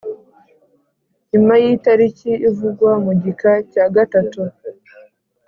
nyuma yitariki ivugwa mu gika cya gatatu